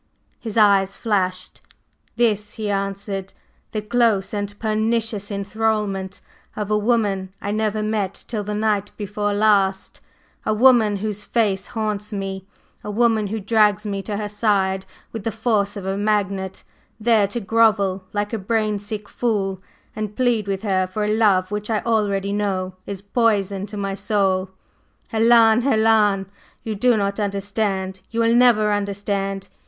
His eyes flashed. "This," he answered. "The close and pernicious enthralment of a woman I never met till the night before last; a woman whose face haunts me; a woman who drags me to her side with the force of a magnet, there to grovel like a brain sick fool and plead with her for a love which I already know is poison to my soul! Helen, Helen! You do not understand you will never understand!